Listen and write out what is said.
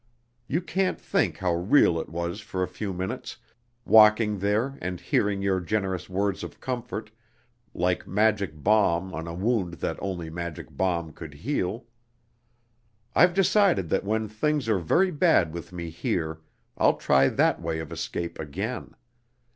You can't think how real it was for a few minutes, walking there and hearing your generous words of comfort, like magic balm on a wound that only magic balm could heal. I've decided that when things are very bad with me here, I'll try that way of escape again.